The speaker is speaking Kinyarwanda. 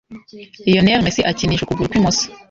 Lionel Messi akinisha ukuguru kw’imoso.